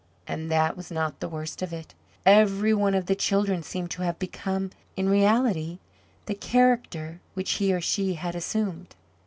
And that was not the worst of it; every one of the children seemed to have become, in reality, the character which he or she had assumed.